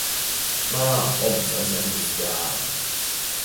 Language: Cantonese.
媽，我唔想上電視吖